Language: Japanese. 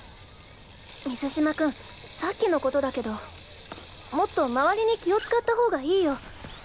水嶋君さっきのことだけどもっと周りに気を使ったほうが良いよ。